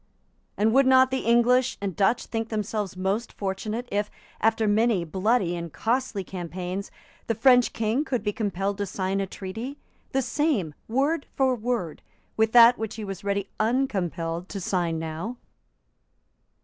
And would not the English and Dutch think themselves most fortunate if, after many bloody and costly campaigns, the French King could be compelled to sign a treaty, the same, word for word, with that which he was ready uncompelled to sign now?